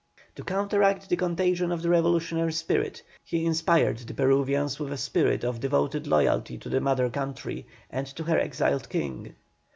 To counteract the contagion of the revolutionary spirit, he inspired the Peruvians with a spirit of devoted loyalty to the mother country, and to her exiled King.